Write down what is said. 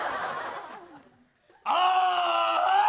ああ。